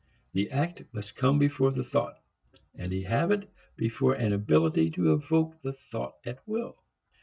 The act must come before the thought, and a habit before an ability to evoke the thought at will.